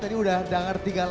tadi udah denger tiga lagi